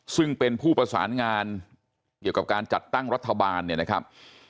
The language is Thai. ซึ่งเป็นผู้ประสานงานเกี่ยวกับการจัดตั้งรัฐบาลเนี่ยนะครับ